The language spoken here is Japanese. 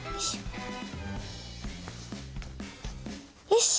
よし。